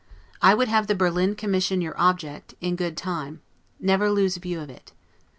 I would have the Berlin commission your object, in good time; never lose view of it.